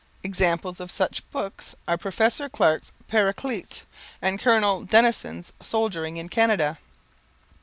Examples of such books are Professor Clark's "Paraclete" and Colonel Denison's "Soldiering in Canada."